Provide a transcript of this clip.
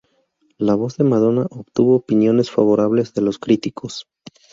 La voz de Madonna obtuvo opiniones favorables de los críticos.